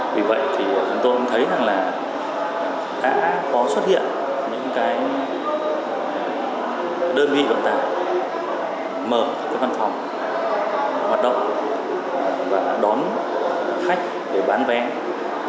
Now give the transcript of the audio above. vì vậy thì chúng tôi cũng thấy rằng là đã có xuất hiện những cái đơn vị vận tải mở cái văn phòng hoạt động và đón khách để bán vé